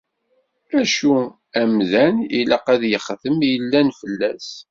Acu amdan, ilaq ad yexdem i yellan fell-as.